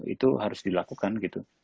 itu harus dilakukan gitu